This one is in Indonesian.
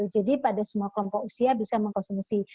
jadi pada semua kelompok usia bisa mengkonsumsi